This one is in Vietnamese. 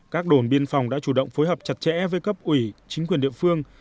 bộ đội biên phòng đã chủ động phối hợp chặt chẽ với cấp ủy chính quyền địa phương